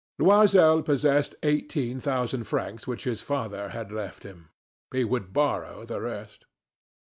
Loisel possessed eighteen thousand francs which his father had left him. He would borrow the rest.